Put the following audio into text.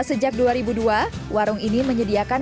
sejak dua ribu dua warung ini menyediakan